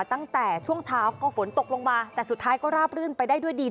ตั้งแต่ช่วงเช้าก็ฝนตกลงมาแต่สุดท้ายก็ราบรื่นไปได้ด้วยดี